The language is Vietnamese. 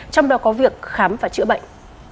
trong đó có việc khám và chữa bệnh